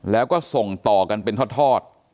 แล้วก็ส่งต่อกันเป็นทอด